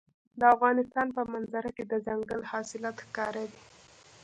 د افغانستان په منظره کې دځنګل حاصلات ښکاره دي.